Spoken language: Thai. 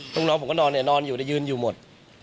น้องผมก็นอนเนี่ยนอนอยู่ยืนอยู่หมด